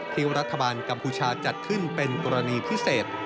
ที่รัฐบาลกัมพูชาจัดขึ้นเป็นกรณีพิเศษ